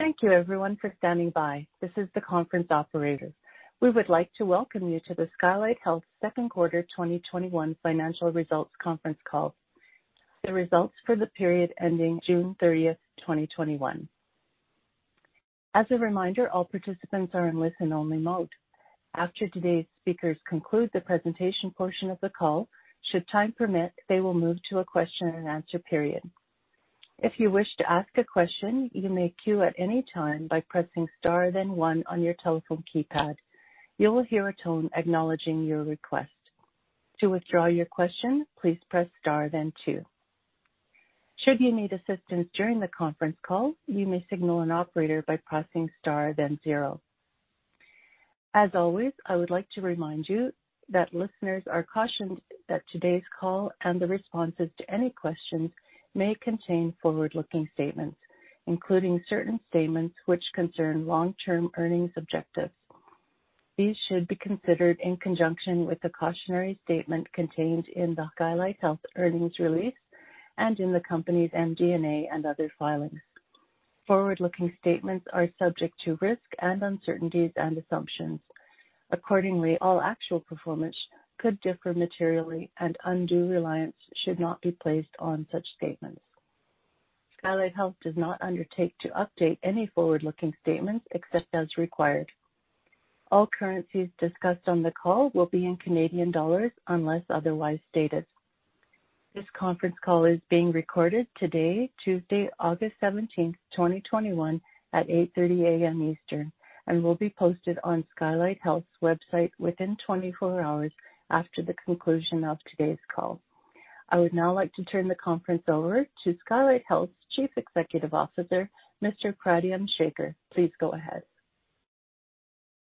Thank you everyone for standing by. This is the Conference Operator. We would like to welcome you to the Skylight Health Second Quarter 2021 Financial Results Conference Call. The results for the period ending June 30th, 2021. As a reminder, all participants are in listen-only mode. After today's speakers conclude the presentation portion of the call, should time permit, they will move to a question and answer period. If you wish to ask a question, you may queue at any time by pressing star then one on your telephone keypad. You will hear a tone acknowledging your request. To withdraw your question, please press star then two. Should you need assistance during the conference call, you may signal an operator by pressing star then zero. GlobeNewswire As always, I would like to remind you that listeners are cautioned that today's call and the responses to any questions may contain forward-looking statements, including certain statements which concern long-term earnings objectives. These should be considered in conjunction with the cautionary statement contained in the Skylight Health earnings release and in the company's MD&A and other filings. Forward-looking statements are subject to risk and uncertainties and assumptions. Accordingly, all actual performance could differ materially and undue reliance should not be placed on such statements. Skylight Health does not undertake to update any forward-looking statements except as required. All currencies discussed on the call will be in Canadian dollars unless otherwise stated. This conference call is being recorded today, Tuesday, August 17th, 2021 at 8:30 A.M. Eastern, and will be posted on Skylight Health's website within 24 hours after the conclusion of today's call. I would now like to turn the conference over to Skylight Health's Chief Executive Officer, Mr. Pradyum Sekar. Please go ahead.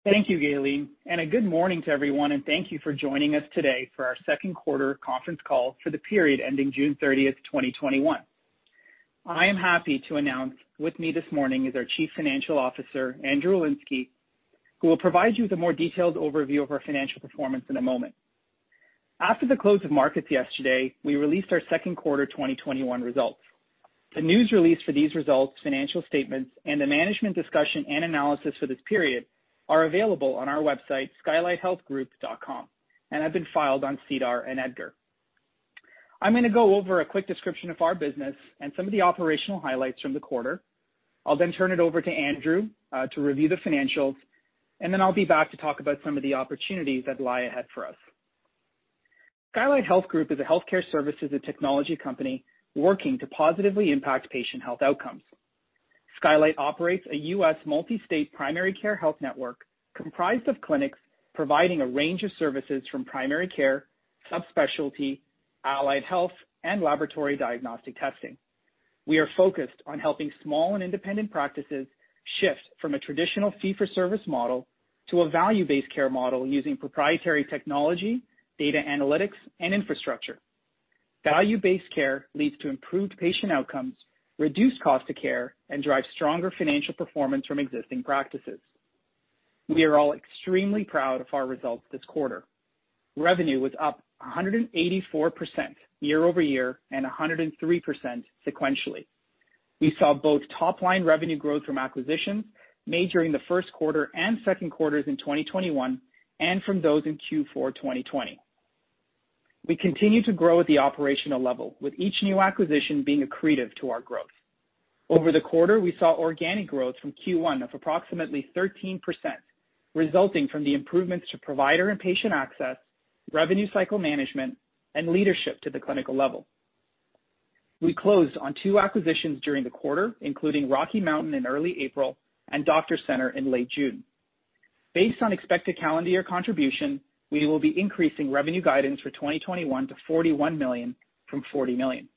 Thank you, Gaylene. A good morning to everyone, and thank you for joining us today for our second quarter conference call for the period ending June 30th, 2021. I am happy to announce with me this morning is our Chief Financial Officer, Andrew Elinesky, who will provide you with a more detailed overview of our financial performance in a moment. After the close of markets yesterday, we released our second quarter 2021 results. The news release for these results, financial statements, and the Management Discussion and Analysis for this period are available on our website, skylighthealthgroup.com, and have been filed on SEDAR and EDGAR. I'm going to go over a quick description of our business and some of the operational highlights from the quarter. I'll then turn it over to Andrew to review the financials, and then I'll be back to talk about some of the opportunities that lie ahead for us. Skylight Health Group is a healthcare services and technology company working to positively impact patient health outcomes. Skylight operates a U.S. multi-state primary care health network comprised of clinics providing a range of services from primary care, subspecialty, allied health, and laboratory diagnostic testing. We are focused on helping small and independent practices shift from a traditional fee-for-service model to a value-based care model using proprietary technology, data analytics, and infrastructure. Value-based care leads to improved patient outcomes, reduced cost of care, and drives stronger financial performance from existing practices. We are all extremely proud of our results this quarter. Revenue was up 184% year-over-year and 103% sequentially. We saw both top-line revenue growth from acquisitions made during the first quarter and second quarters in 2021 and from those in Q4 2020. We continue to grow at the operational level, with each new acquisition being accretive to our growth. Over the quarter, we saw organic growth from Q1 of approximately 13%, resulting from the improvements to provider and patient access, revenue cycle management, and leadership to the clinical level. We closed on two acquisitions during the quarter, including Rocky Mountain in early April and Doctors Center in late June. Based on expected calendar year contribution, we will be increasing revenue guidance for 2021 to 41 million from 40 million.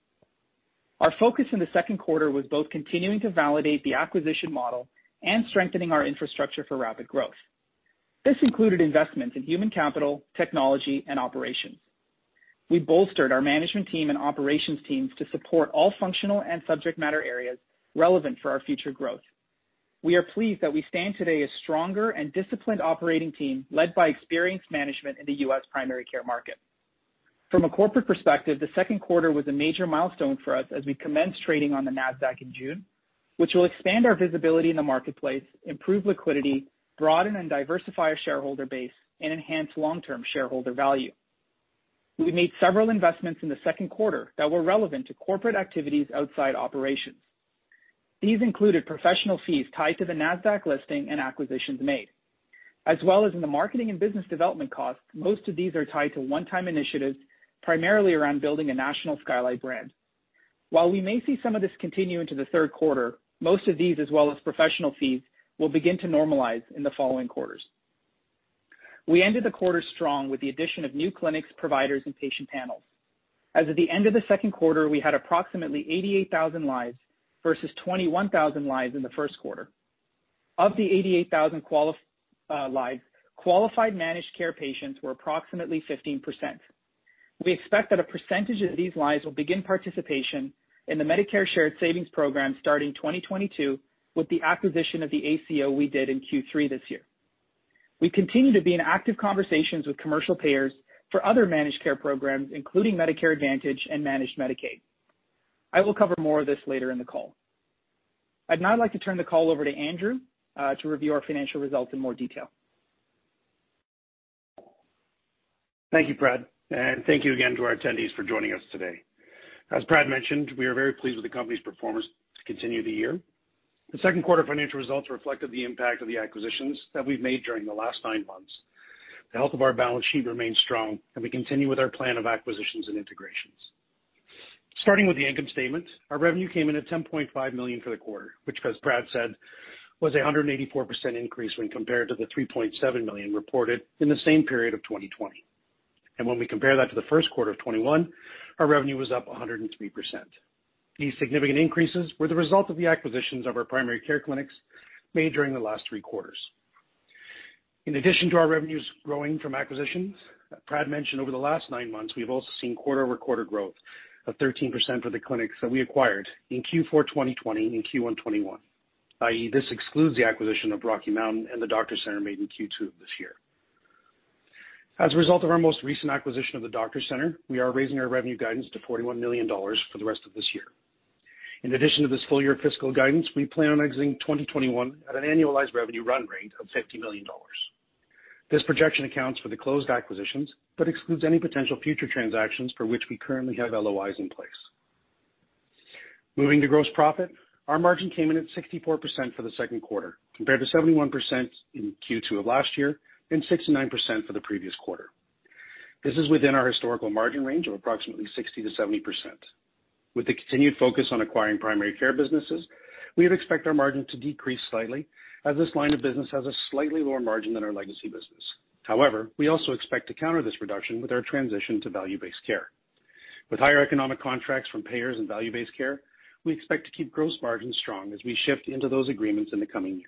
Our focus in the second quarter was both continuing to validate the acquisition model and strengthening our infrastructure for rapid growth. This included investments in human capital, technology and operations. We bolstered our management team and operations teams to support all functional and subject matter areas relevant for our future growth. We are pleased that we stand today a stronger and disciplined operating team led by experienced management in the U.S. primary care market. From a corporate perspective, the second quarter was a major milestone for us as we commenced trading on the Nasdaq in June, which will expand our visibility in the marketplace, improve liquidity, broaden and diversify our shareholder base, and enhance long-term shareholder value. We made several investments in the second quarter that were relevant to corporate activities outside operations. These included professional fees tied to the Nasdaq listing and acquisitions made. As well as in the marketing and business development costs, most of these are tied to one-time initiatives, primarily around building a national Skylight brand. While we may see some of this continue into the third quarter, most of these, as well as professional fees, will begin to normalize in the following quarters. We ended the quarter strong with the addition of new clinics, providers and patient panels. As of the end of the second quarter, we had approximately 88,000 lives versus 21,000 lives in the first quarter. Of the 88,000 lives, qualified managed care patients were approximately 15%. We expect that a percentage of these lives will begin participation in the Medicare Shared Savings Program starting 2022 with the acquisition of the ACO we did in Q3 this year. We continue to be in active conversations with commercial payers for other managed care programs, including Medicare Advantage and Managed Medicaid. I will cover more of this later in the call. I'd now like to turn the call over to Andrew to review our financial results in more detail. Thank you, Prad, and thank you again to our attendees for joining us today. As Prad mentioned, we are very pleased with the company's performance to continue the year. The second quarter financial results reflected the impact of the acquisitions that we've made during the last nine months. The health of our balance sheet remains strong, and we continue with our plan of acquisitions and integrations. Starting with the income statement, our revenue came in at 10.5 million for the quarter, which, as Prad said, was 184% increase when compared to the 3.7 million reported in the same period of 2020. When we compare that to the first quarter of 2021, our revenue was up 103%. These significant increases were the result of the acquisitions of our primary care clinics made during the last three quarters. In addition to our revenues growing from acquisitions, Prad mentioned over the last 9 months, we've also seen quarter-over-quarter growth of 13% for the clinics that we acquired in Q4 2020 and Q1 2021, i.e., this excludes the acquisition of Rocky Mountain and the Doctors Center made in Q2 of this year. As a result of our most recent acquisition of the Doctors Center, we are raising our revenue guidance to 41 million dollars for the rest of this year. In addition to this full-year fiscal guidance, we plan on exiting 2021 at an annualized revenue run rate of CAD 50 million. This projection accounts for the closed acquisitions but excludes any potential future transactions for which we currently have LOIs in place. Moving to gross profit. Our margin came in at 64% for the second quarter, compared to 71% in Q2 of last year and 69% for the previous quarter. This is within our historical margin range of approximately 60% to 70%. With the continued focus on acquiring primary care businesses, we would expect our margin to decrease slightly as this line of business has a slightly lower margin than our legacy business. However, we also expect to counter this reduction with our transition to value-based care. With higher economic contracts from payers and value-based care, we expect to keep gross margins strong as we shift into those agreements in the coming years.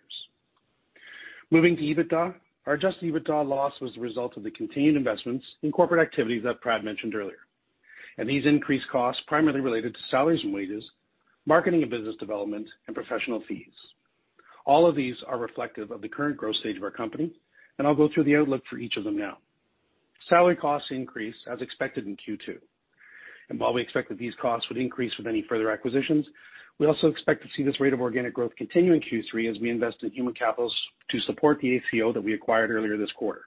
Moving to EBITDA, our Adjusted EBITDA loss was the result of the continued investments in corporate activities that Prad mentioned earlier. These increased costs primarily related to salaries and wages, marketing and business development, and professional fees. All of these are reflective of the current growth stage of our company. I'll go through the outlook for each of them now. Salary costs increased as expected in Q2. While we expect that these costs would increase with any further acquisitions, we also expect to see this rate of organic growth continue in Q3 as we invest in human capitals to support the ACO that we acquired earlier this quarter.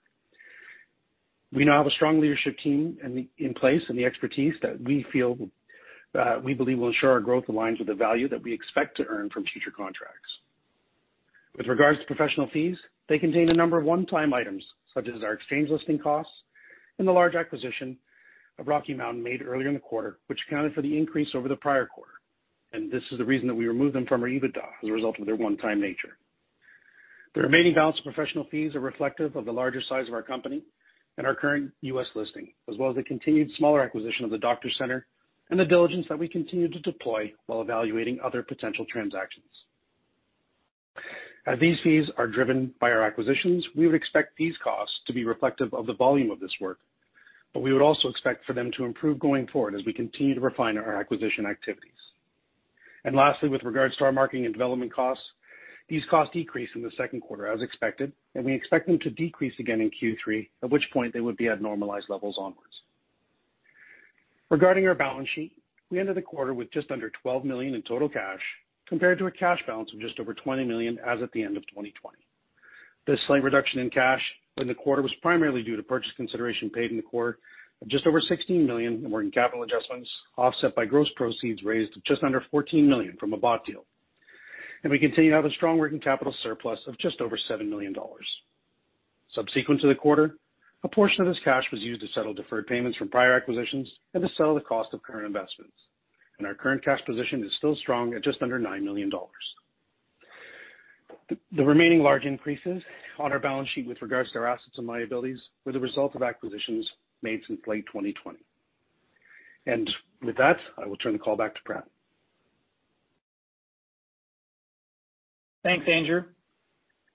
We now have a strong leadership team in place and the expertise that we believe will ensure our growth aligns with the value that we expect to earn from future contracts. With regards to professional fees, they contain a number of one-time items, such as our exchange listing costs and the large acquisition of Rocky Mountain made earlier in the quarter, which accounted for the increase over the prior quarter. This is the reason that we removed them from our EBITDA as a result of their one-time nature. The remaining balance of professional fees are reflective of the larger size of our company and our current U.S. listing, as well as the continued smaller acquisition of the Doctors Center and the diligence that we continue to deploy while evaluating other potential transactions. As these fees are driven by our acquisitions, we would expect these costs to be reflective of the volume of this work, but we would also expect for them to improve going forward as we continue to refine our acquisition activities. Lastly, with regards to our marketing and development costs, these costs decreased in the second quarter as expected, and we expect them to decrease again in Q3, at which point they would be at normalized levels onwards. Regarding our balance sheet, we ended the quarter with just under 12 million in total cash compared to a cash balance of just over 20 million as at the end of 2020. This slight reduction in cash in the quarter was primarily due to purchase consideration paid in the quarter of just over 16 million in working capital adjustments, offset by gross proceeds raised to just under 14 million from a bought deal. We continue to have a strong working capital surplus of just over 7 million dollars. Subsequent to the quarter, a portion of this cash was used to settle deferred payments from prior acquisitions and to settle the cost of current investments. Our current cash position is still strong at just under 9 million dollars. The remaining large increases on our balance sheet with regards to our assets and liabilities were the result of acquisitions made since late 2020. With that, I will turn the call back to Prad. Thanks, Andrew.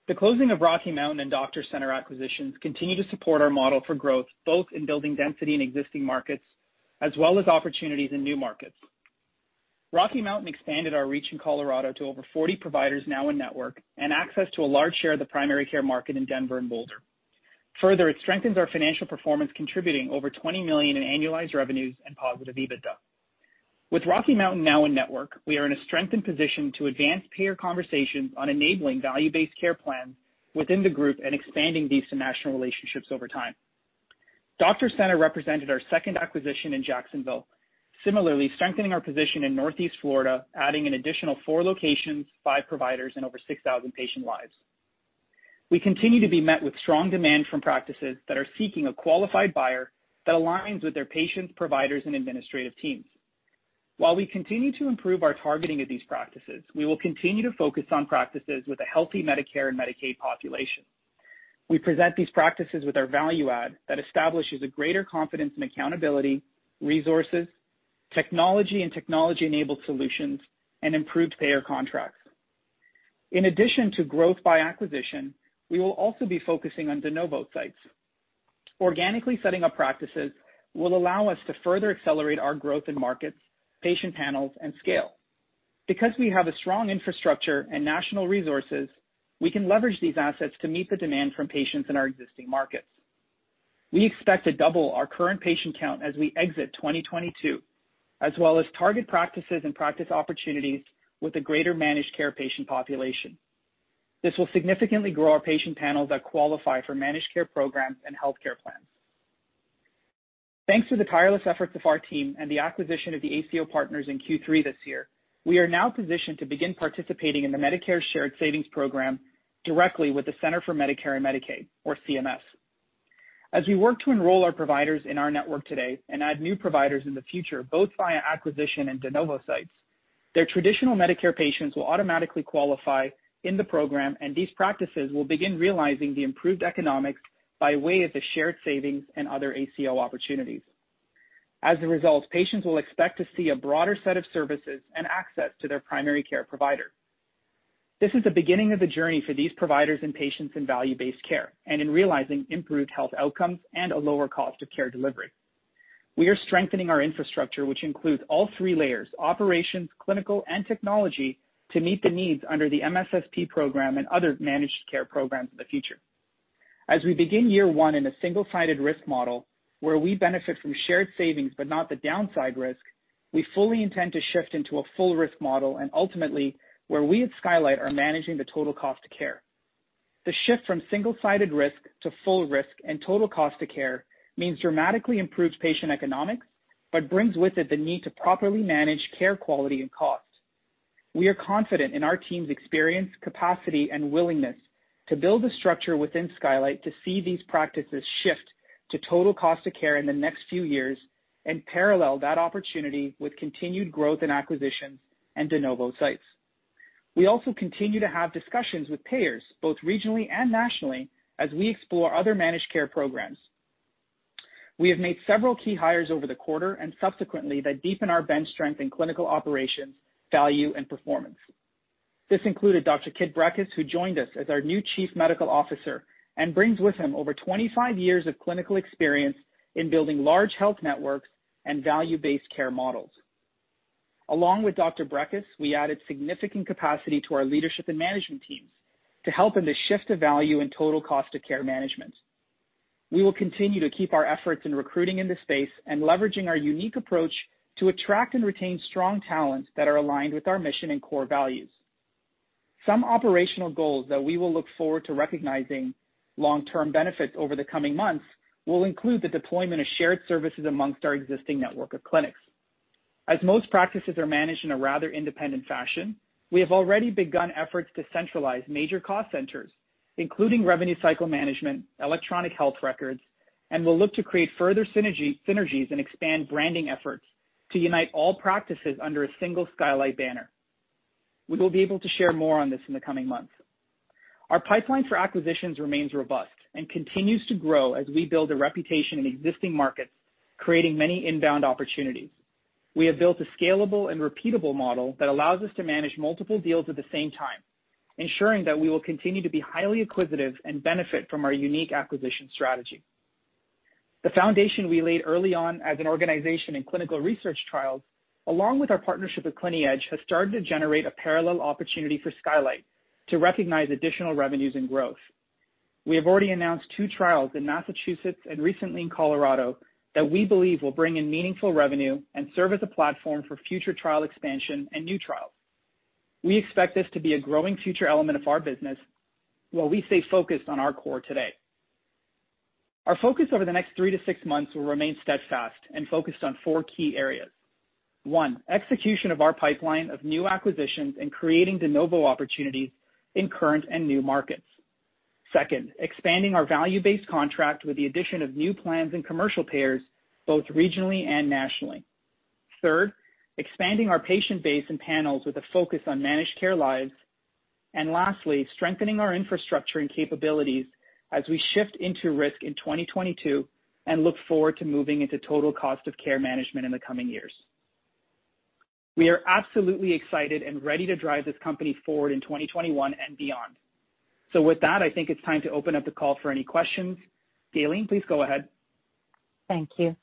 The closing of Rocky Mountain and Doctors Center acquisitions continue to support our model for growth, both in building density in existing markets as well as opportunities in new markets. Rocky Mountain expanded our reach in Colorado to over 40 providers now in-network and access to a large share of the primary care market in Denver and Boulder. Further, it strengthens our financial performance, contributing over 20 million in annualized revenues and positive EBITDA. With Rocky Mountain now in network, we are in a strengthened position to advance payer conversations on enabling value-based care plans within the group and expanding these to national relationships over time. Doctors Center represented our second acquisition in Jacksonville, similarly strengthening our position in Northeast Florida, adding an additional four locations, five providers, and over 6,000 patient lives. We continue to be met with strong demand from practices that are seeking a qualified buyer that aligns with their patients, providers, and administrative teams. While we continue to improve our targeting of these practices, we will continue to focus on practices with a healthy Medicare and Medicaid population. We present these practices with our value add that establishes a greater confidence and accountability, resources, technology and technology-enabled solutions, and improved payer contracts. In addition to growth by acquisition, we will also be focusing on de novo sites. Organically setting up practices will allow us to further accelerate our growth in markets, patient panels, and scale. Because we have a strong infrastructure and national resources, we can leverage these assets to meet the demand from patients in our existing markets. We expect to double our current patient count as we exit 2022, as well as target practices and practice opportunities with a greater managed care patient population. This will significantly grow our patient panels that qualify for managed care programs and healthcare plans. Thanks to the tireless efforts of our team and the acquisition of the ACO Partners in Q3 this year, we are now positioned to begin participating in the Medicare Shared Savings Program directly with the Centers for Medicare and Medicaid, or CMS. As we work to enroll our providers in our network today and add new providers in the future, both via acquisition and de novo sites, their traditional Medicare patients will automatically qualify in the program, and these practices will begin realizing the improved economics by way of the shared savings and other ACO opportunities. As a result, patients will expect to see a broader set of services and access to their primary care provider. This is the beginning of the journey for these providers and patients in value-based care and in realizing improved health outcomes and a lower cost of care delivery. We are strengthening our infrastructure, which includes all three layers: operations, clinical, and technology to meet the needs under the MSSP program and other managed care programs of the future. As we begin year one in a single-sided risk model, where we benefit from shared savings but not the downside risk, we fully intend to shift into a full risk model and ultimately where we at Skylight are managing the total cost of care. The shift from single-sided risk to full risk and total cost of care means dramatically improved patient economics, but brings with it the need to properly manage care quality and cost. We are confident in our team's experience, capacity, and willingness to build a structure within Skylight to see these practices shift to total cost of care in the next few years and parallel that opportunity with continued growth in acquisitions and de novo sites. We also continue to have discussions with payers, both regionally and nationally, as we explore other managed care programs. We have made several key hires over the quarter and subsequently that deepen our bench strength in clinical operations, value, and performance. This included Dr. Kit Brekhus, who joined us as our new Chief Medical Officer and brings with him over 25 years of clinical experience in building large health networks and value-based care models. Along with Dr. Brekhus, we added significant capacity to our leadership and management teams to help in the shift of value and total cost of care management. We will continue to keep our efforts in recruiting in the space and leveraging our unique approach to attract and retain strong talent that are aligned with our mission and core values. Some operational goals that we will look forward to recognizing long-term benefits over the coming months will include the deployment of shared services amongst our existing network of clinics. As most practices are managed in a rather independent fashion, we have already begun efforts to centralize major cost centers, including revenue cycle management, electronic health records, and will look to create further synergies and expand branding efforts to unite all practices under a single Skylight banner. We will be able to share more on this in the coming months. Our pipeline for acquisitions remains robust and continues to grow as we build a reputation in existing markets, creating many inbound opportunities. We have built a scalable and repeatable model that allows us to manage multiple deals at the same time, ensuring that we will continue to be highly acquisitive and benefit from our unique acquisition strategy. The foundation we laid early on as an organization in clinical research trials, along with our partnership with ClinEdge, has started to generate a parallel opportunity for Skylight to recognize additional revenues and growth. We have already announced two trials in Massachusetts and recently in Colorado that we believe will bring in meaningful revenue and serve as a platform for future trial expansion and new trials. We expect this to be a growing future element of our business, while we stay focused on our core today. Our focus over the next three tp six months will remain steadfast and focused on four key areas. One, execution of our pipeline of new acquisitions and creating de novo opportunities in current and new markets. Second, expanding our value-based contract with the addition of new plans and commercial payers, both regionally and nationally. Third, expanding our patient base and panels with a focus on managed care lives. And lastly, strengthening our infrastructure and capabilities as we shift into risk in 2022 and look forward to moving into total cost of care management in the coming years. We are absolutely excited and ready to drive this company forward in 2021 and beyond. With that, I think it's time to open up the call for any questions. Gaylene, please go ahead. Thank you.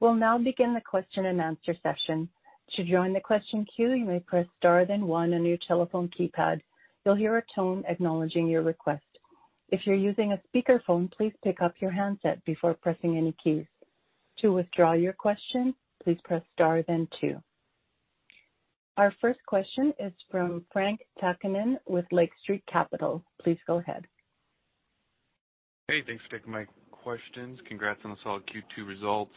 We'll now begin the question and answer session. To join the question queue, you may press star then one on your telephone keypad. You'll hear a tone acknowledging your request. If you're using a speakerphone, please pick up your handset before pressing any keys. To withdraw your question, please press star then two. Our first question is from Frank Takkinen with Lake Street Capital. Please go ahead. Hey, thanks for taking my questions. Congrats on the solid Q2 results.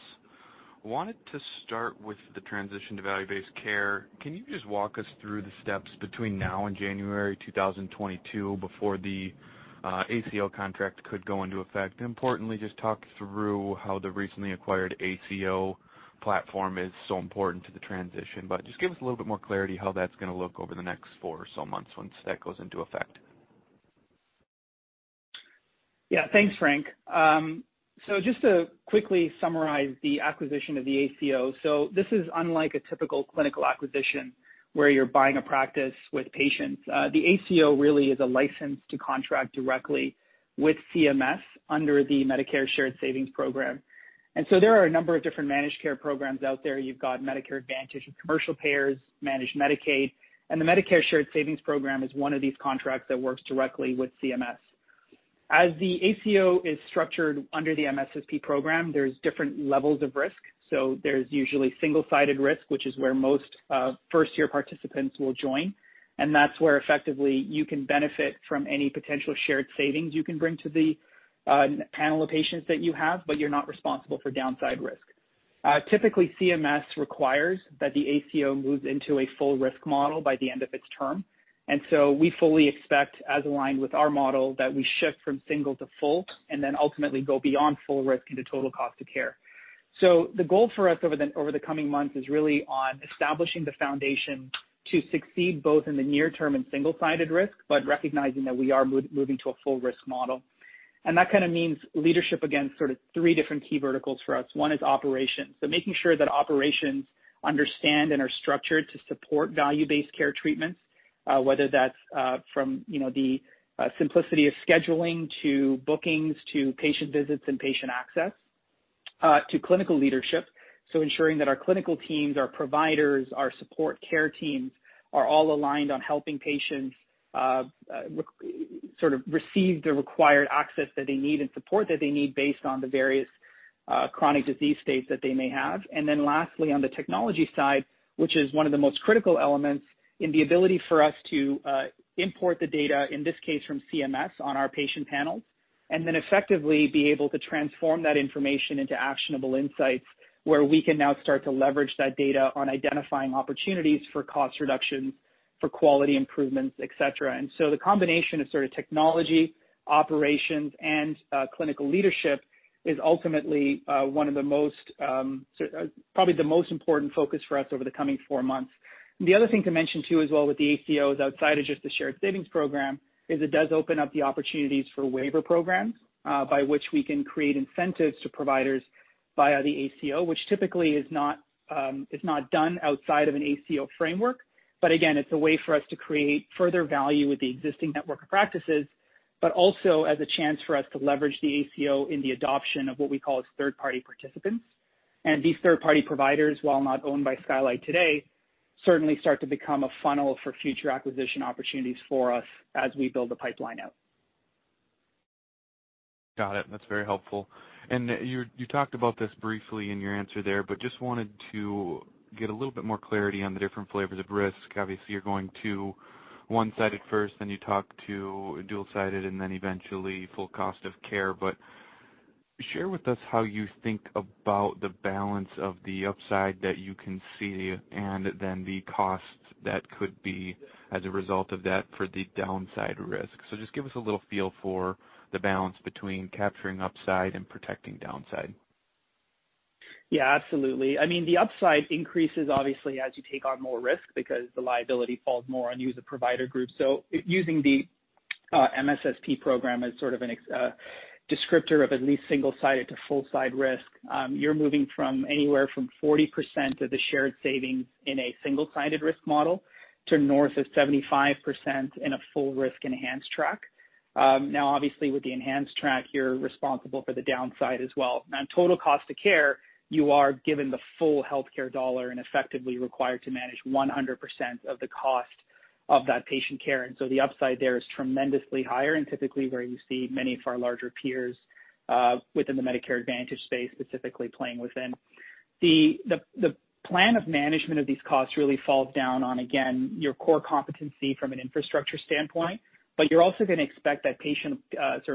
Wanted to start with the transition to value-based care. Can you just walk us through the steps between now and January 2022 before the ACO contract could go into effect? Importantly, just talk through how the recently acquired ACO platform is so important to the transition, but just give us a little bit more clarity how that's going to look over the next four or so months once that goes into effect. Yeah. Thanks, Frank. Sp, just to quickly summarize the acquisition of the ACO. This is unlike a typical clinical acquisition, where you're buying a practice with patients. The ACO really is a license to contract directly with CMS under the Medicare Shared Savings Program. There are a number of different managed care programs out there. You've got Medicare Advantage with commercial payers, Managed Medicaid, and the Medicare Shared Savings Program is one of these contracts that works directly with CMS. As the ACO is structured under the MSSP program, there's different levels of risk. There's usually single-sided risk, which is where most first-year participants will join, and that's where effectively you can benefit from any potential shared savings you can bring to the panel of patients that you have, but you're not responsible for downside risk. Typically, CMS requires that the ACO moves into a full risk model by the end of its term. We fully expect, as aligned with our model, that we shift from single to full, and then ultimately go beyond full risk into total cost of care. The goal for us over the coming months is really on establishing the foundation to succeed, both in the near term and single-sided risk, but recognizing that we are moving to a full risk model. That kind of means leadership against sort of three different key verticals for us. One is operations. Making sure that operations understand and are structured to support value-based care treatments, whether that's from the simplicity of scheduling, to bookings, to patient visits and patient access, to clinical leadership. So, ensuring that our clinical teams, our providers, our support care teams are all aligned on helping patients receive the required access that they need and support that they need based on the various chronic disease states that they may have. And then last, on the technology side, which is one of the most critical elements in the ability for us to import the data, in this case, from CMS on our patient panels, and then effectively be able to transform that information into actionable insights where we can now start to leverage that data on identifying opportunities for cost reductions, for quality improvements, et cetera. The combination of technology, operations, and clinical leadership is ultimately one of the most, probably the most important focus for us over the coming four months. The other thing to mention too, as well, with the ACOs outside of just the Shared Savings Program, is it does open up the opportunities for waiver programs, by which we can create incentives to providers via the ACO, which typically is not done outside of an ACO framework. But, again, it's a way for us to create further value with the existing network of practices, but also as a chance for us to leverage the ACO in the adoption of what we call third-party participants. These third-party providers, while not owned by Skylight today, certainly start to become a funnel for future acquisition opportunities for us as we build the pipeline out. Got it. That's very helpful. You talked about this briefly in your answer there, but just wanted to get a little bit more clarity on the different flavors of risk. Obviously, you're going to one-sided first, then you talked to dual-sided, and then eventually full cost of care. Share with us how you think about the balance of the upside that you can see and then the costs that could be as a result of that for the downside risk. Just give us a little feel for the balance between capturing upside and protecting downside. Yeah, absolutely. The upside increases obviously as you take on more risk because the liability falls more on you as a provider group. Using the MSSP Program as sort of a descriptor of at least single-sided to full-side risk, you're moving from anywhere from 40% of the shared savings in a single-sided risk model to north of 75% in a full risk enhanced track. Now, obviously, with the enhanced track, you're responsible for the downside as well. On total cost of care, you are given the full healthcare dollar and effectively required to manage 100% of the cost of that patient care. The upside there is tremendously higher and typically where you see many of our larger peers, within the Medicare Advantage space, specifically playing within. The plan of management of these costs really falls down on, again, your core competency from an infrastructure standpoint, but you're also going to expect that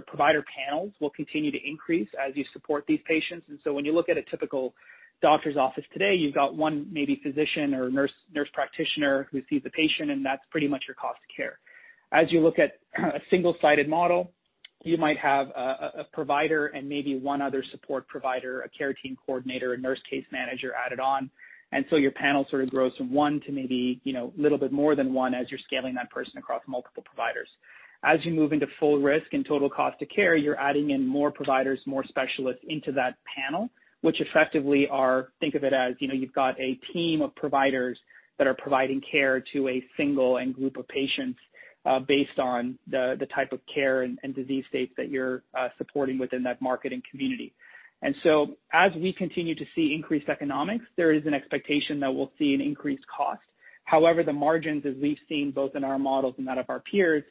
provider panels will continue to increase as you support these patients. When you look at a typical doctor's office today, you've got one, maybe physician or nurse practitioner who sees the patient, and that's pretty much your cost of care. As you look at a single-sided model, you might have a provider and maybe one other support provider, a care team coordinator, a nurse case manager added on. Your panel sort of grows from one to maybe a little bit more than one as you're scaling that person across multiple providers. As you move into full risk and total cost of care, you're adding in more providers, more specialists into that panel, which effectively are, think of it as you've got a team of providers that are providing care to a single and group of patients based on the type of care and disease states that you're supporting within that marketing community. As we continue to see increased economics, there is an expectation that we'll see an increased cost. However, the margins, as we've seen both in our models and that of our peers,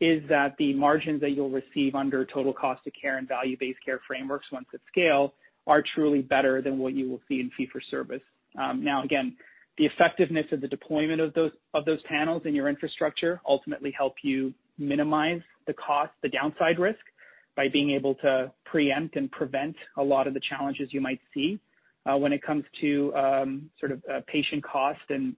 is that the margins that you'll receive under total cost of care and value-based care frameworks once at scale are truly better than what you will see in fee-for-service. Now, again, the effectiveness of the deployment of those panels and your infrastructure ultimately help you minimize the cost, the downside risk, by being able to preempt and prevent a lot of the challenges you might see when it comes to patient cost, and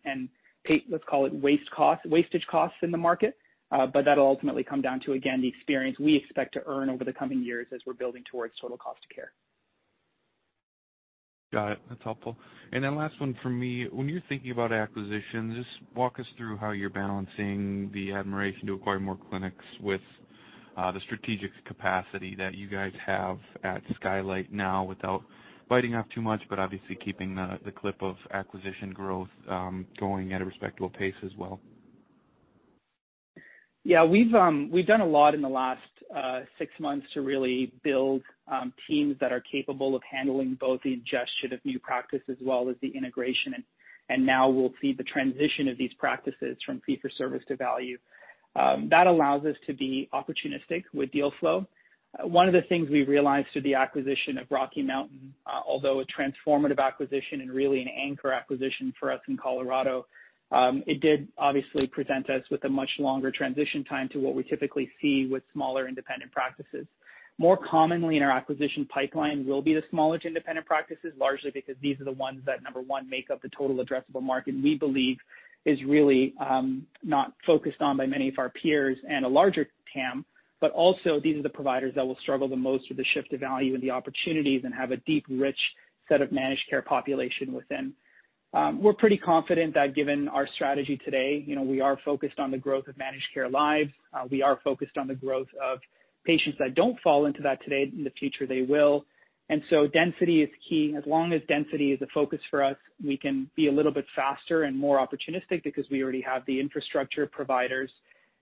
let's call it wastage costs in the market. That'll ultimately come down to, again, the experience we expect to earn over the coming years as we're building towards total cost of care. Got it. That's helpful. Last one from me. When you're thinking about acquisitions, just walk us through how you're balancing the admiration to acquire more clinics with the strategic capacity that you guys have at Skylight now, without biting off too much, but obviously keeping the clip of acquisition growth going at a respectable pace as well. Yeah. We've done a lot in the last six months to really build teams that are capable of handling both the ingestion of new practice as well as the integration. Now we'll see the transition of these practices from fee-for-service to value. That allows us to be opportunistic with deal flow. One of the things we realized through the acquisition of Rocky Mountain, although a transformative acquisition and really an anchor acquisition for us in Colorado, it did obviously present us with a much longer transition time to what we typically see with smaller, independent practices. More commonly in our acquisition pipeline will be the smaller independent practices, largely because these are the ones that, number one, make up the total addressable market, we believe is really not focused on by many of our peers and a larger TAM, but also, these are the providers that will struggle the most with the shift of value and the opportunities and have a deep, rich set of managed care population within. We're pretty confident that given our strategy today, we are focused on the growth of managed care lives. We are focused on the growth of patients that don't fall into that today. In the future, they will. Density is key. As long as density is a focus for us, we can be a little bit faster and more opportunistic because we already have the infrastructure providers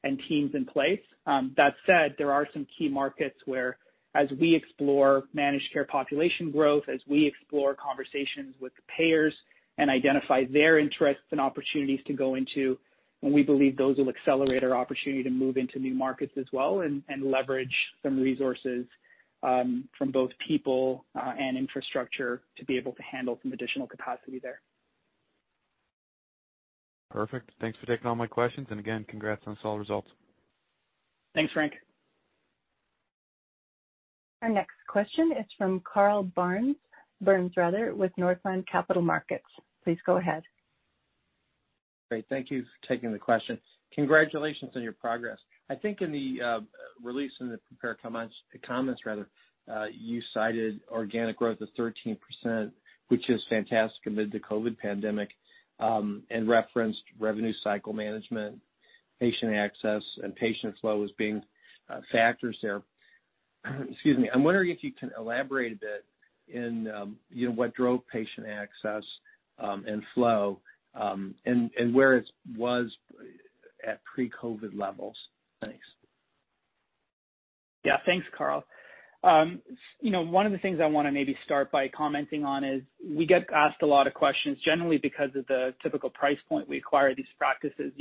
and teams in place. That said, there are some key markets where as we explore managed care population growth, as we explore conversations with the payers and identify their interests and opportunities to go into, and we believe those will accelerate our opportunity to move into new markets as well and leverage some resources from both people and infrastructure to be able to handle some additional capacity there. Perfect. Thanks for taking all my questions and again, congrats on solid results. Thanks, Frank. Our next question is from Carl Barn, Byrnes rather, with Northland Capital Markets. Please go ahead. Great. Thank you for taking the question. Congratulations on your progress. I think in the release, in the prepared comments, you cited organic growth of 13%, which is fantastic amid the COVID pandemic, and referenced revenue cycle management, patient access, and patient flow as being factors there. Excuse me. I am wondering if you can elaborate a bit in what drove patient access and flow, and where it was at pre-COVID levels. Thanks. Yeah. Thanks, Carl. One of the things I want to maybe start by commenting on is we get asked a lot of questions, generally because of the typical price point we acquire these practices.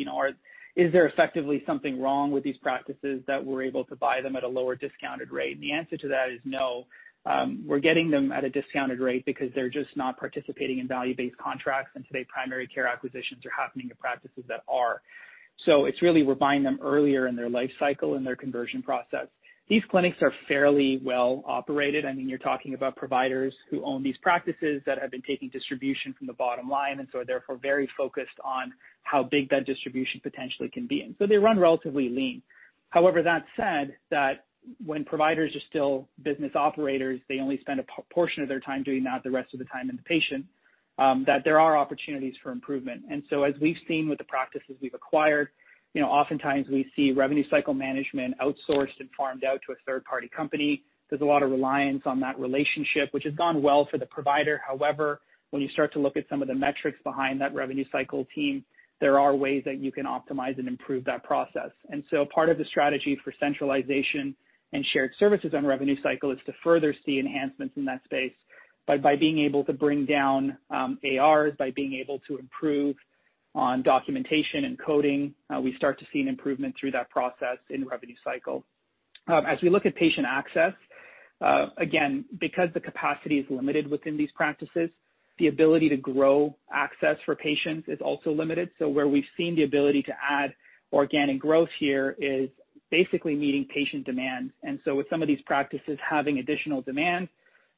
Is there effectively something wrong with these practices that we're able to buy them at a lower discounted rate? The answer to that is no. We're getting them at a discounted rate because they're just not participating in value-based contracts. Today, primary care acquisitions are happening to practices that are. It's really we're buying them earlier in their life cycle, in their conversion process. These clinics are fairly well operated. You're talking about providers who own these practices that have been taking distribution from the bottom line, are therefore very focused on how big that distribution potentially can be. They run relatively lean. However, that said that when providers are still business operators, they only spend a portion of their time doing that, the rest of the time in the patient, that there are opportunities for improvement. As we've seen with the practices we've acquired, oftentimes we see revenue cycle management outsourced and farmed out to a third-party company. There's a lot of reliance on that relationship, which has gone well for the provider. However, when you start to look at some of the metrics behind that revenue cycle team, there are ways that you can optimize and improve that process. Part of the strategy for centralization and shared services on revenue cycle is to further see enhancements in that space by being able to bring down ARs, by being able to improve on documentation and coding. We start to see an improvement through that process in revenue cycle. As we look at patient access, again, because the capacity is limited within these practices, the ability to grow access for patients is also limited. Where we've seen the ability to add organic growth here is basically meeting patient demand. With some of these practices having additional demand,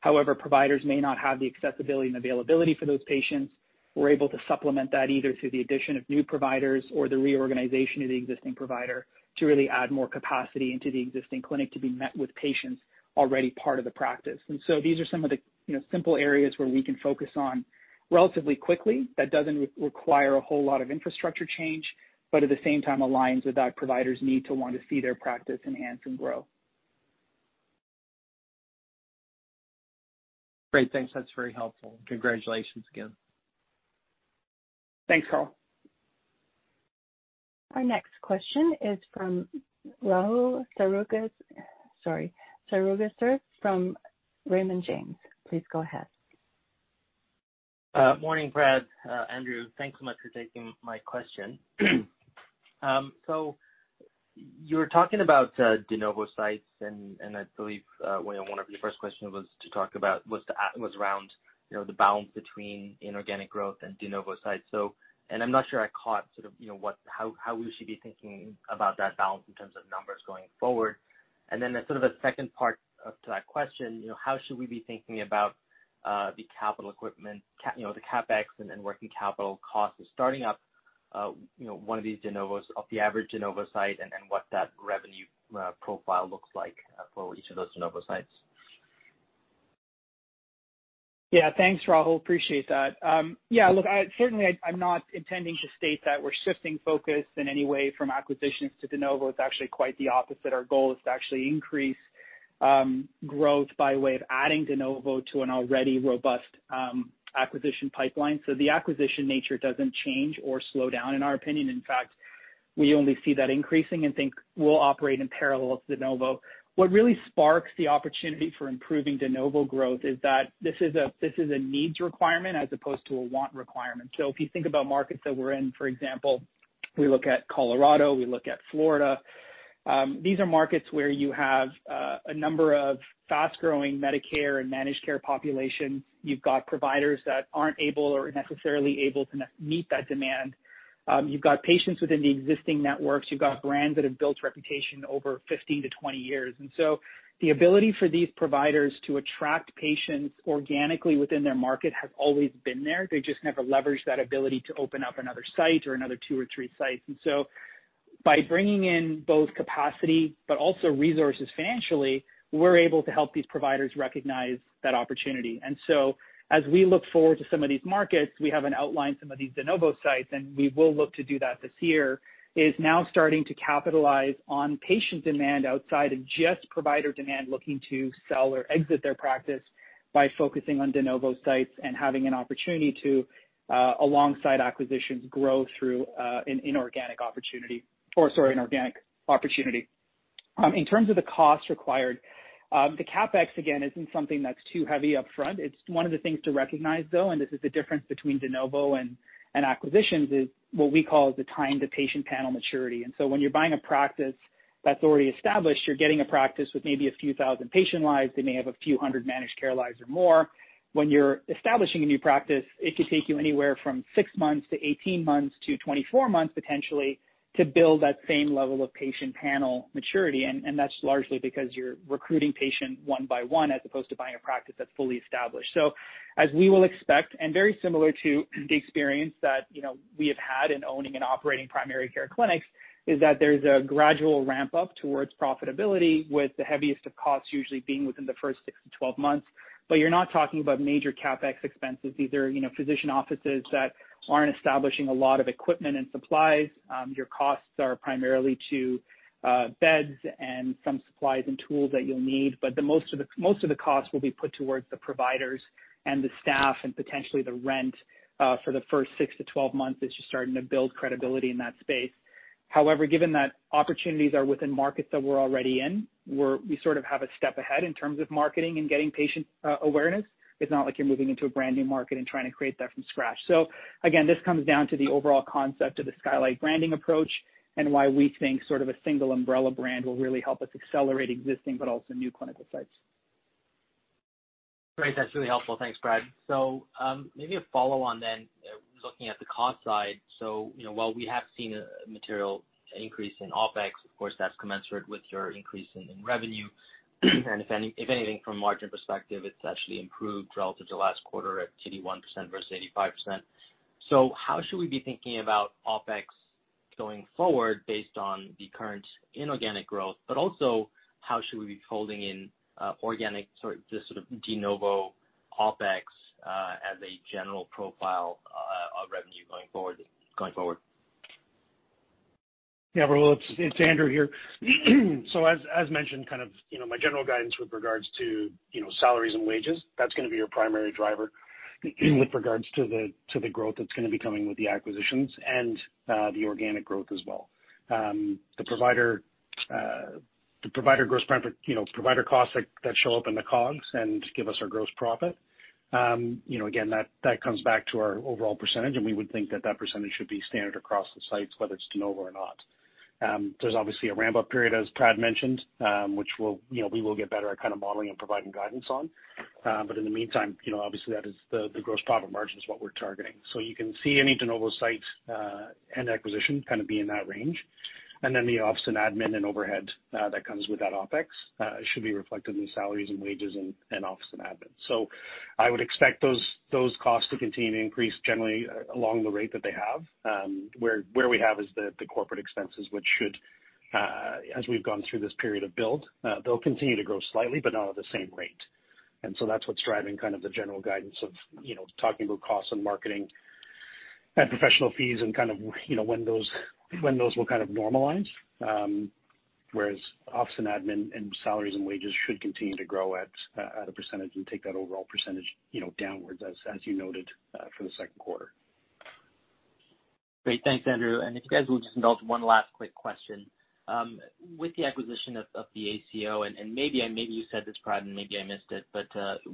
however, providers may not have the accessibility and availability for those patients. We're able to supplement that either through the addition of new providers or the reorganization of the existing provider to really add more capacity into the existing clinic to be met with patients already part of the practice. These are some of the simple areas where we can focus on relatively quickly. That doesn't require a whole lot of infrastructure change, but at the same time aligns with our providers' need to want to see their practice enhance and grow. Great. Thanks. That's very helpful. Congratulations again. Thanks, Carl. Our next question is from Rahul Saru, sorry, Sarugaser from Raymond James. Please go ahead. Morning, Prad, Andrew. Thanks so much for taking my question. You were talking about de novo sites, and I believe one of your first questions was to talk about was around the balance between inorganic growth and de novo sites. I'm not sure I caught how we should be thinking about that balance in terms of numbers going forward. There's sort of a second part to that question. How should we be thinking about the capital equipment, the CapEx and working capital costs of starting up one of these de novos of the average de novo site and what that revenue profile looks like for each of those de novo sites? Thanks, Rahul. Appreciate that. Look, certainly, I'm not intending to state that we're shifting focus in any way from acquisitions to de novo. It's actually quite the opposite. Our goal is to actually increase growth by way of adding de novo to an already robust acquisition pipeline. The acquisition nature doesn't change or slow down, in our opinion. In fact, we only see that increasing and think we'll operate in parallel to de novo. What really sparks the opportunity for improving de novo growth is that this is a needs requirement as opposed to a want requirement. If you think about markets that we're in, for example, we look at Colorado, we look at Florida, these are markets where you have a number of fast-growing Medicare and managed care population. You've got providers that aren't able or necessarily able to meet that demand. You've got patients within the existing networks. You've got brands that have built reputation over 15 to 20 years. The ability for these providers to attract patients organically within their market has always been there. They just never leveraged that ability to open up another site or another two or three sites. By bringing in both capacity but also resources financially, we're able to help these providers recognize that opportunity. As we look forward to some of these markets, we have an outline some of these de novo sites, and we will look to do that this year, is now starting to capitalize on patient demand outside of just provider demand, looking to sell or exit their practice by focusing on de novo sites and having an opportunity to, alongside acquisitions, grow through an inorganic opportunity, or sorry, an organic opportunity. In terms of the cost required, the CapEx, again, isn't something that's too heavy upfront. It's one of the things to recognize, though, and this is the difference between de novo and acquisitions, is what we call the time to patient panel maturity. When you're buying a practice that's already established, you're getting a practice with maybe a few thousand patient lives. They may have a few hundred managed care lives or more. When you're establishing a new practice, it could take you anywhere from six months, to 18 months, to 24 months, potentially, to build that same level of patient panel maturity. That's largely because you're recruiting patient one by one, as opposed to buying a practice that's fully established. As we will expect, and very similar to the experience that we have had in owning and operating primary care clinics, is that there's a gradual ramp-up towards profitability with the heaviest of costs usually being within the first six to 12 months. You're not talking about major CapEx expenses. These are physician offices that aren't establishing a lot of equipment and supplies. Your costs are primarily to beds and some supplies and tools that you'll need, but the most of the costs will be put towards the providers and the staff and potentially the rent for the first six to 12 months as you're starting to build credibility in that space. However, given that opportunities are within markets that we're already in, we sort of have a step ahead in terms of marketing and getting patient awareness. It's not like you're moving into a brand new market and trying to create that from scratch. So, again, this comes down to the overall concept of the Skylight branding approach and why we think sort of a single umbrella brand will really help us accelerate existing but also new clinical sites. Great. That's really helpful. Thanks, Prad. Maybe a follow-on then, looking at the cost side. While we have seen a material increase in OpEx, of course, that's commensurate with your increase in revenue. If anything, from a margin perspective, it's actually improved relative to last quarter at 81% versus 85%. How should we be thinking about OpEx going forward based on the current inorganic growth, but also how should we be folding in organic sort of de novo OpEx as a general profile of revenue going forward? Rahul, it's Andrew here. As mentioned, my general guidance with regards to salaries and wages, that's going to be your primary driver with regards to the growth that's going to be coming with the acquisitions and the organic growth as well. The provider gross profit, provider costs that show up in the COGS and give us our gross profit. Again, that comes back to our overall percentage, and we would think that that percentage should be standard across the sites, whether it's de novo or not. There's obviously a ramp-up period, as Prad mentioned, which we will get better at kind of modeling and providing guidance on. In the meantime, obviously the gross profit margin is what we're targeting. You can see any de novo sites and acquisition kind of be in that range. The office and admin and overhead that comes with that OpEx should be reflected in salaries and wages and office and admin. I would expect those costs to continue to increase generally along the rate that they have. Where we have is the corporate expenses, which should, as we've gone through this period of build, they'll continue to grow slightly but not at the same rate. That's what's driving the general guidance of talking about costs and marketing and professional fees and when those will kind of normalize, whereas office and admin and salaries and wages should continue to grow at a percentage and take that overall percentage downwards, as you noted for the second quarter. Great. Thanks, Andrew. If you guys will just indulge one last quick question. With the acquisition of the ACO, and maybe you said this, Prad, and maybe I missed it, but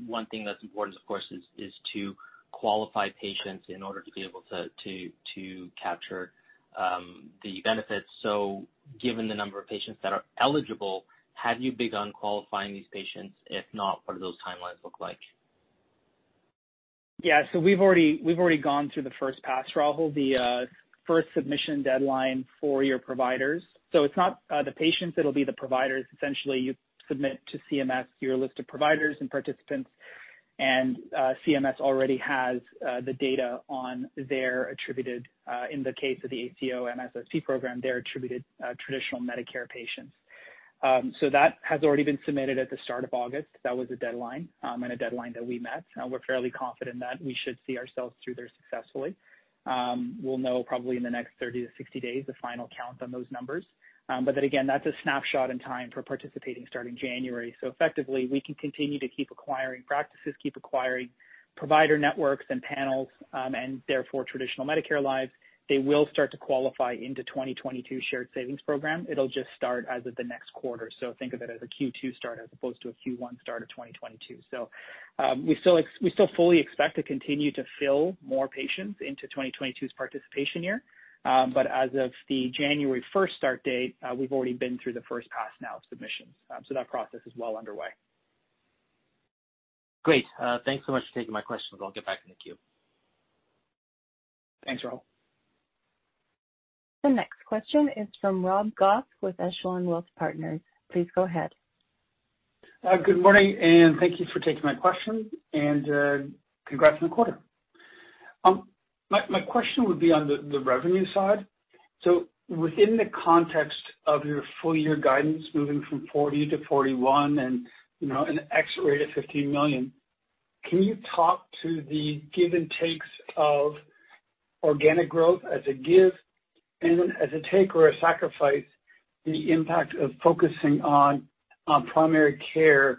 one thing that is important, of course, is to qualify patients in order to be able to capture the benefits. Given the number of patients that are eligible, have you begun qualifying these patients? If not, what do those timelines look like? We've already gone through the first pass, Rahul, the first submission deadline for your providers. It's not the patients, it'll be the providers. Essentially, you submit to CMS your list of providers and participants. CMS already has the data on their attributed, in the case of the ACO MSSP program, their attributed traditional Medicare patients. That has already been submitted at the start of August. That was a deadline, and a deadline that we met. We're fairly confident that we should see ourselves through there successfully. We'll know probably in the next 30-60 days the final count on those numbers. Again, that's a snapshot in time for participating starting January. Effectively, we can continue to keep acquiring practices, keep acquiring provider networks and panels, and therefore traditional Medicare lives. They will start to qualify into 2022 Shared Savings Program. It'll just start as of the next quarter. Think of it as a Q2 start as opposed to a Q1 start of 2022. We still fully expect to continue to fill more patients into 2022's participation year. As of the January 1st start date, we've already been through the first pass now of submissions. That process is well underway. Great. Thanks so much for taking my questions. I'll get back in the queue. Thanks, Rahul. The next question is from Rob Goff with Echelon Wealth Partners. Please go ahead. Good morning, and thank you for taking my question, and congrats on the quarter. My question would be on the revenue side. Within the context of your full-year guidance moving from 40 million to 41 million, and an exit rate of 15 million, can you talk to the give and takes of organic growth as a give and as a take or a sacrifice, the impact of focusing on primary care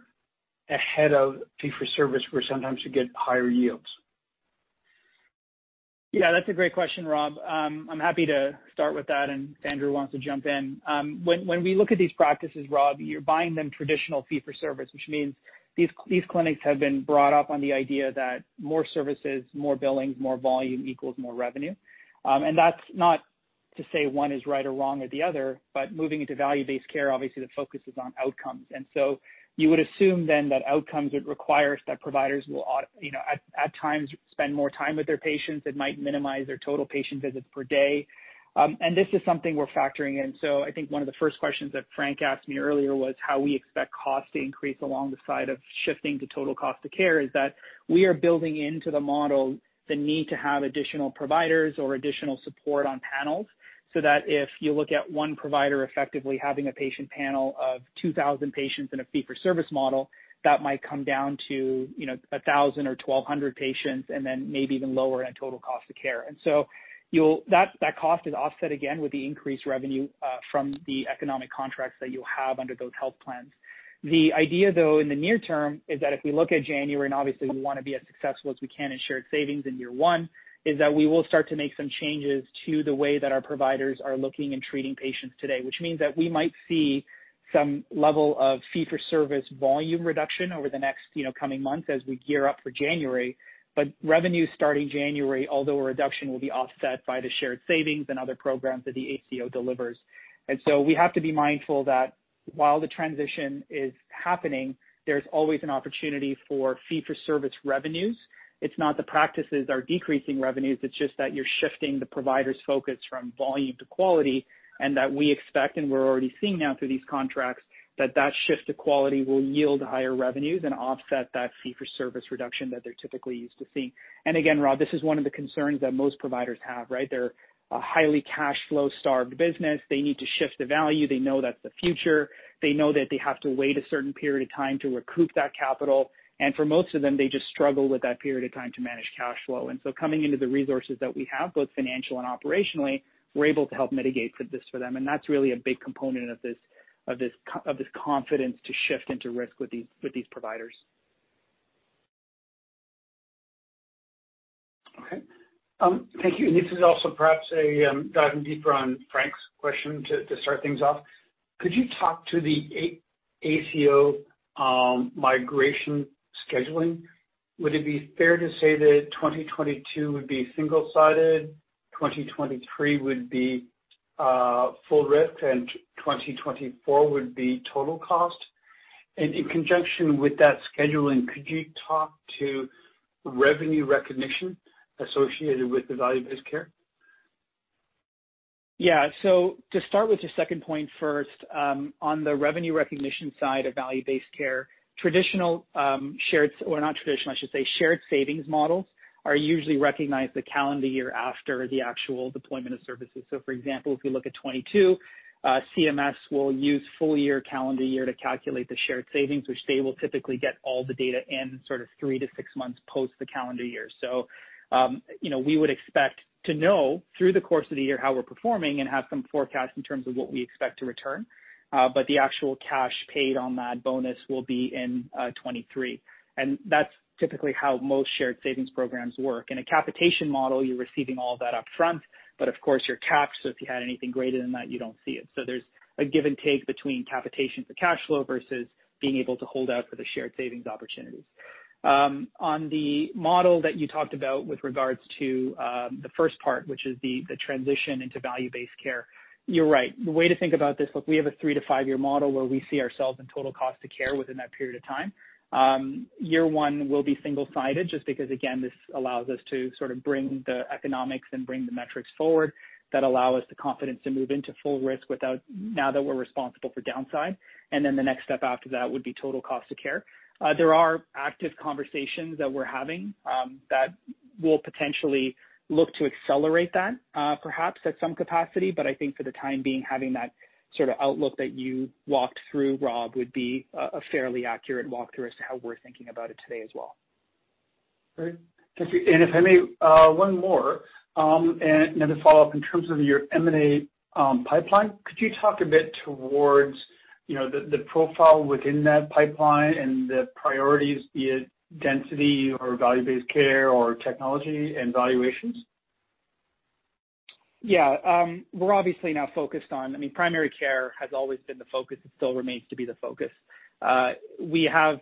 ahead of fee-for-service, where sometimes you get higher yields? Yeah, that's a great question, Rob. I'm happy to start with that, Andrew wants to jump in. When we look at these practices, Rob, you're buying them traditional fee-for-service, which means these clinics have been brought up on the idea that more services, more billings, more volume equals more revenue. That's not to say one is right or wrong or the other, but moving into value-based care, obviously, the focus is on outcomes. You would assume then that outcomes would require that providers will, at times, spend more time with their patients. It might minimize their total patient visits per day. This is something we're factoring in. I think one of the first questions that Frank asked me earlier was how we expect cost to increase along the side of shifting to total cost of care, is that we are building into the model the need to have additional providers or additional support on panels, so that if you look at one provider effectively having a patient panel of 2,000 patients in a fee-for-service model, that might come down to 1,000 or 1,200 patients, and then maybe even lower in a total cost of care. That cost is offset again with the increased revenue from the economic contracts that you'll have under those health plans. The idea, though, in the near term, is that if we look at January, and obviously we want to be as successful as we can in shared savings in year one, is that we will start to make some changes to the way that our providers are looking and treating patients today. Which means that we might see some level of fee for service volume reduction over the next coming months as we gear up for January. Revenue starting January, although a reduction, will be offset by the shared savings and other programs that the ACO delivers. We have to be mindful that while the transition is happening, there's always an opportunity for fee for service revenues. It's not the practices are decreasing revenues, it's just that you're shifting the provider's focus from volume to quality. That we expect, and we're already seeing now through these contracts, that that shift to quality will yield higher revenues and offset that fee-for-service reduction that they're typically used to seeing. And again, Rob, this is one of the concerns that most providers have, right? They're a highly cash flow starved business. They need to shift to value. They know that's the future. They know that they have to wait a certain period of time to recoup that capital. For most of them, they just struggle with that period of time to manage cash flow. Coming into the resources that we have, both financial and operationally, we're able to help mitigate this for them. That's really a big component of this confidence to shift into risk with these providers. Okay. Thank you. This is also perhaps a diving deeper on Frank's question to start things off. Could you talk to the ACO migration scheduling? Would it be fair to say that 2022 would be single-sided, 2023 would be full risk, and 2024 would be total cost? In conjunction with that scheduling, could you talk to revenue recognition associated with the value-based care? Yeah. To start with your second point first, on the revenue recognition side of value-based care, traditional shared, or not traditional, I should say shared savings models are usually recognized the calendar year after the actual deployment of services. For example, if you look at 2022, CMS will use full year, calendar year to calculate the shared savings, which they will typically get all the data in sort of three to six months post the calendar year. We would expect to know through the course of the year how we're performing and have some forecast in terms of what we expect to return. The actual cash paid on that bonus will be in 2023. That's typically how most shared savings programs work. In a capitation model, you're receiving all that upfront, of course, you're capped. If you had anything greater than that, you don't see it. There's a give and take between capitation for cash flow versus being able to hold out for the shared savings opportunities. On the model that you talked about with regards to the first part, which is the transition into value-based care, you're right. The way to think about this, look, we have a three to five-year model where we see ourselves in total cost of care within that period of time. Year one will be single-sided, just because, again, this allows us to sort of bring the economics and bring the metrics forward that allow us the confidence to move into full risk without now that we're responsible for downside. The next step after that would be total cost of care. There are active conversations that we're having that will potentially look to accelerate that, perhaps at some capacity. I think for the time being, having that sort of outlook that you walked through, Rob, would be a fairly accurate walk through as to how we're thinking about it today as well. Great. Thank you. If I may, one more, then to follow up in terms of your M&A pipeline, could you talk a bit towards the profile within that pipeline and the priorities, be it density or value-based care or technology and valuations? Yeah. We're obviously now focused on, primary care has always been the focus. It still remains to be the focus. We have,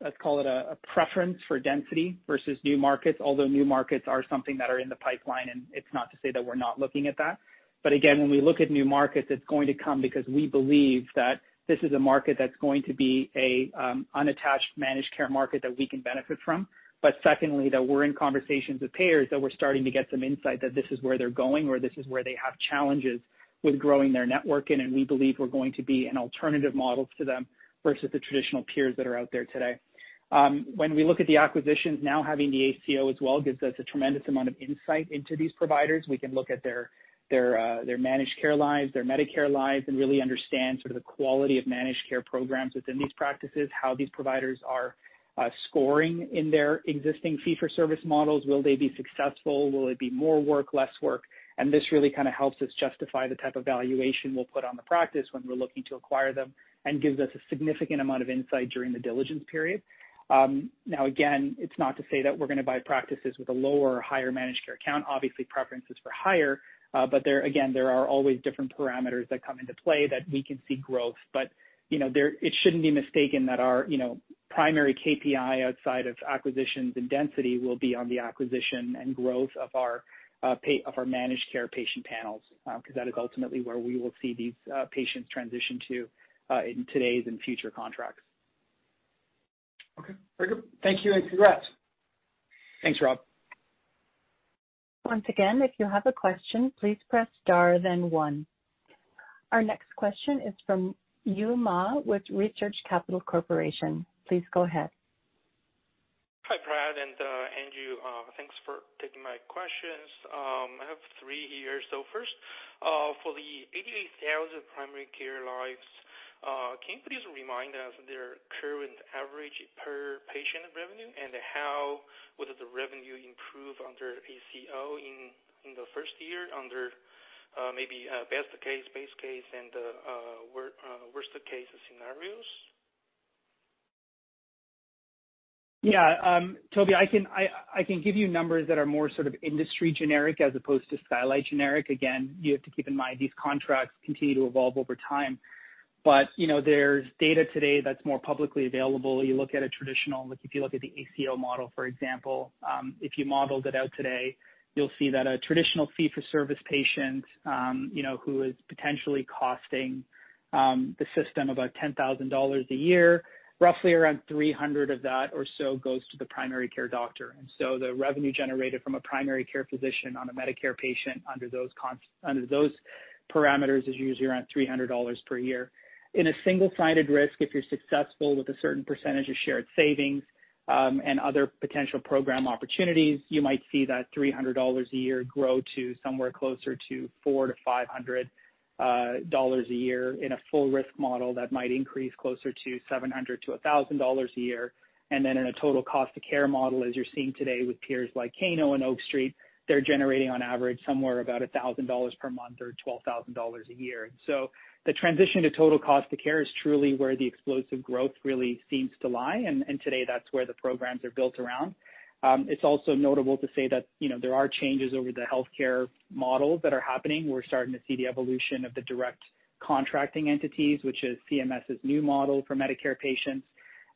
let's call it a preference for density versus new markets. New markets are something that are in the pipeline, and it's not to say that we're not looking at that. Again, when we look at new markets, it's going to come because we believe that this is a market that's going to be a unattached managed care market that we can benefit from. Secondly, that we're in conversations with payers, that we're starting to get some insight that this is where they're going or this is where they have challenges with growing their network, and we believe we're going to be an alternative model to them versus the traditional peers that are out there today. When we look at the acquisitions now, having the ACO as well gives us a tremendous amount of insight into these providers. We can look at their managed care lives, their Medicare lives, and really understand the quality of managed care programs within these practices, how these providers are scoring in their existing fee-for-service models. Will they be successful? Will it be more work, less work? This really helps us justify the type of valuation we'll put on the practice when we're looking to acquire them and gives us a significant amount of insight during the diligence period. Again, it's not to say that we're going to buy practices with a lower or higher managed care count. Obviously, preference is for higher. There, again, there are always different parameters that come into play that we can see growth. It shouldn't be mistaken that our primary KPI outside of acquisitions and density will be on the acquisition and growth of our managed care patient panels, because that is ultimately where we will see these patients transition to in today's and future contracts. Okay. Very good. Thank you, and congrats. Thanks, Rob. Once again, if you have a question, please press star then one. Our next question is from Yue Ma with Research Capital Corporation. Please go ahead. Hi, Prad and Andrew. Thanks for taking my questions. I have three here. First, for the 88,000 primary care lives, can you please remind us their current average per patient revenue and how would the revenue improve under ACO in the first year under maybe best case, base case, and worst case scenarios? Yeah. Toby, I can give you numbers that are more sort of industry generic as opposed to Skylight generic. Again, you have to keep in mind these contracts continue to evolve over time. But, you know, there's data today that's more publicly available. You look at a traditional, if you look at the ACO model, for example, if you modeled it out today, you'll see that a traditional fee-for-service patient, who is potentially costing the system about 10,000 dollars a year, roughly around 300 of that or so goes to the primary care doctor. The revenue generated from a primary care physician on a Medicare patient under those parameters is usually around 300 dollars per year. In a single-sided risk, if you're successful with a certain percentage of shared savings and other potential program opportunities, you might see that 300 dollars a year grow to somewhere closer to 400-500 dollars a year. In a full risk model, that might increase closer to 700-1,000 dollars a year. In a total cost of care model, as you're seeing today with peers like Cano and Oak Street, they're generating on average somewhere about 1,000 dollars per month or 12,000 a year. The transition to total cost of care is truly where the explosive growth really seems to lie. Today, that's where the programs are built around. It's also notable to say that there are changes over the healthcare models that are happening. We're starting to see the evolution of the direct contracting entities, which is CMS's new model for Medicare patients.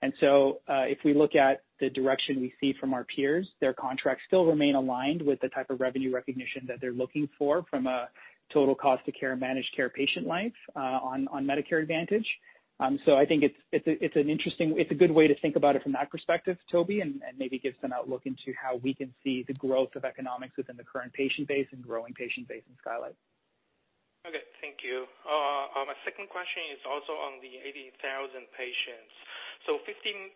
If we look at the direction we see from our peers, their contracts still remain aligned with the type of revenue recognition that they're looking for from a total cost of care managed care patient life on Medicare Advantage. I think it's a good way to think about it from that perspective, Toby, and maybe gives an outlook into how we can see the growth of economics within the current patient base and growing patient base in Skylight. Okay. Thank you. My second question is also on the 80,000 patients. 15%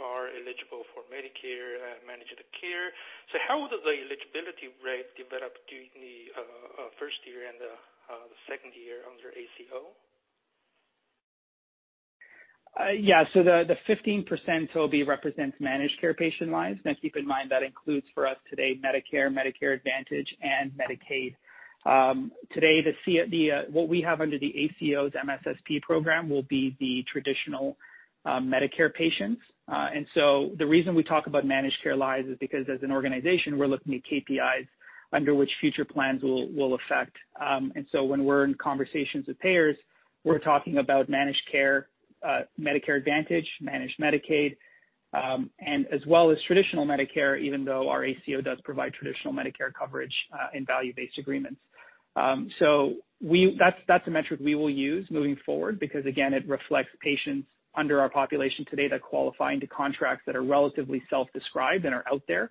are eligible for Medicare managed care. How would the eligibility rate develop during the first year and the second year under ACO? The 15%, Toby, represents managed care patient lives. Keep in mind, that includes for us today Medicare Advantage, and Medicaid. Today, what we have under the ACO MSSP program will be the traditional Medicare patients. The reason we talk about managed care lives is because as an organization, we're looking at KPIs under which future plans will affect. When we're in conversations with payers, we're talking about managed care, Medicare Advantage, Managed Medicaid, and as well as traditional Medicare, even though our ACO does provide traditional Medicare coverage in value-based agreements. That's a metric we will use moving forward because, again, it reflects patients under our population today that qualify into contracts that are relatively self-described and are out there.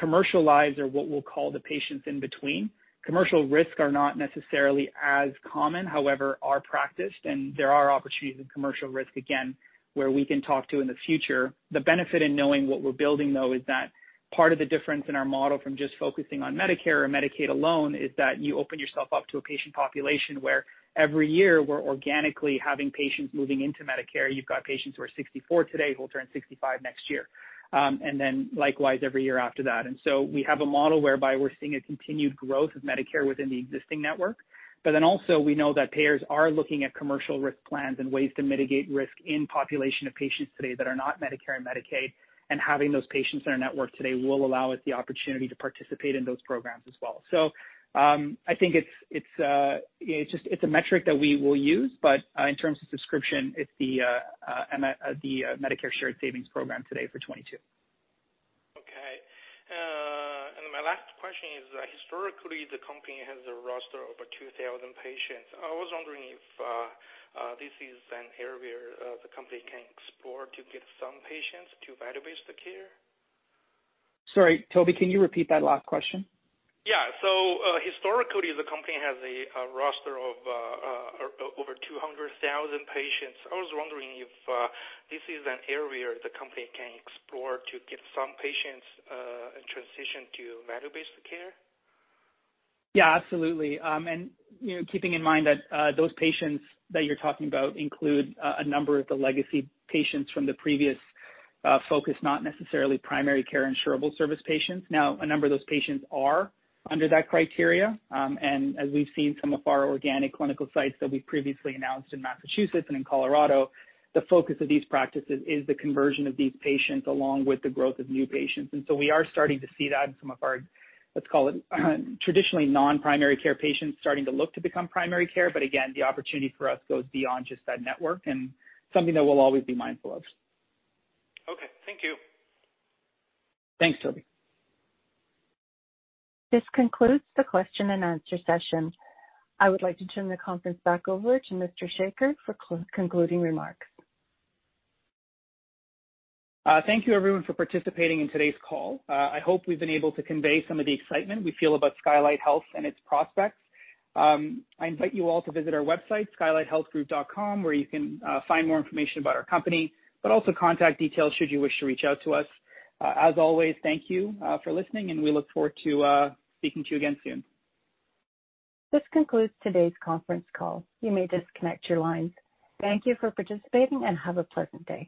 Commercial lives are what we'll call the patients in between. Commercial risk are not necessarily as common, however, are practiced, and there are opportunities in commercial risk, again, where we can talk to in the future. The benefit in knowing what we're building, though, is that part of the difference in our model from just focusing on Medicare or Medicaid alone is that you open yourself up to a patient population where every year we're organically having patients moving into Medicare. You've got patients who are 64 today who will turn 65 next year. Likewise every year after that. We have a model whereby we're seeing a continued growth of Medicare within the existing network. Also, we know that payers are looking at commercial risk plans and ways to mitigate risk in population of patients today that are not Medicare and Medicaid. Having those patients in our network today will allow us the opportunity to participate in those programs as well. I think it's a metric that we will use, but in terms of description, it's the Medicare Shared Savings Program today for 2022. Okay. My last question is, historically, the company has a roster of over 2,000 patients. I was wondering if this is an area the company can explore to get some patients to value-based care. Sorry, Toby, can you repeat that last question? Yeah. Historically, the company has a roster of over 200,000 patients. I was wondering if this is an area the company can explore to get some patients transition to value-based care. Yeah, absolutely. Keeping in mind that those patients that you're talking about include a number of the legacy patients from the previous focus, not necessarily primary care insurable service patients. Now, a number of those patients are under that criteria. As we've seen some of our organic clinical sites that we've previously announced in Massachusetts and in Colorado, the focus of these practices is the conversion of these patients, along with the growth of new patients. We are starting to see that in some of our, let's call it, traditionally non-primary care patients starting to look to become primary care. Again, the opportunity for us goes beyond just that network and something that we'll always be mindful of. Okay. Thank you. Thanks, Toby. This concludes the question and answer session. I would like to turn the conference back over to Mr. Sekar for concluding remarks. Thank you everyone for participating in today's call. I hope we've been able to convey some of the excitement we feel about Skylight Health and its prospects. I invite you all to visit our website, skylighthealthgroup.com, where you can find more information about our company, but also contact details should you wish to reach out to us. As always, thank you for listening, and we look forward to speaking to you again soon. This concludes today's conference call. You may disconnect your lines. Thank you for participating, and have a pleasant day.